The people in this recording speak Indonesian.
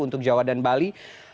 untuk jawa dan bali